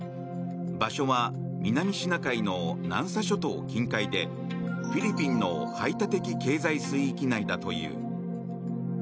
場所は南シナ海の南沙諸島近海でフィリピンの排他的経済水域内だという。